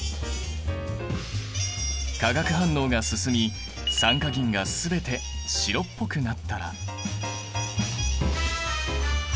化学反応が進み酸化銀が全て白っぽくなったら。